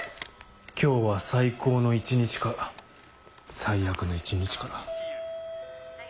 今日は最高の一日か最悪の一日か。